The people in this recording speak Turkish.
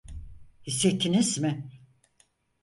Hissettiniz mi?